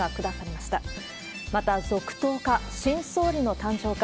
また、続投か、新総理の誕生か。